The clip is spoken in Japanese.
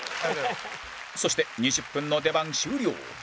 そして２０分の出番終了